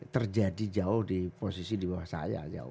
terjadi jauh di posisi di bawah saya